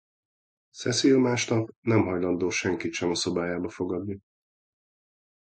Cécile másnap nem hajlandó senkit sem a szobájába fogadni.